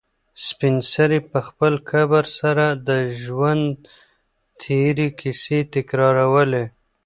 سپین سرې په خپل کبر سره د ژوند تېرې کیسې تکرارولې.